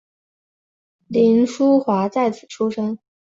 凌叔华在此出生。